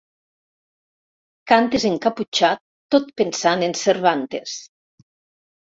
Cantes encaputxat tot pensant en Cervantes.